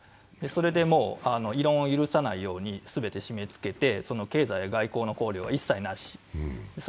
それで異論を許さないように全て締めつけて、その経済・外交の考慮は一切なし。